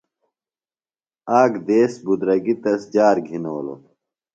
آک دیس بُدرَگیۡ تس جار گِھنولوۡ۔